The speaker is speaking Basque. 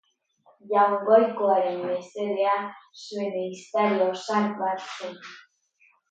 Jaungoikoaren mesedea zuen ehiztari ausart bat zen.